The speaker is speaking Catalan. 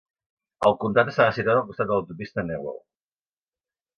El comtat estava situat al costat de l'autopista Newell.